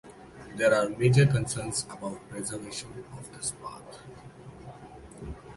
There are major concerns about preservation of this path.